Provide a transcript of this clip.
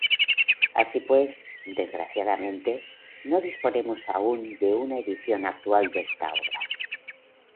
Así pues, desgraciadamente, no disponemos aún de una edición actual de esta obra.